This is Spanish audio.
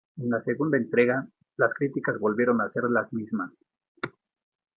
En la segunda entrega, las críticas volvieron a ser las mismas.